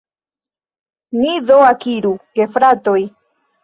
Ni do ekiru, gefratoj!